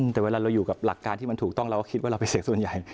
แต่เวลาเราอยู่กับหลักการที่มันถูกต้องเราก็คิดว่าเราไปเสียส่วนใหญ่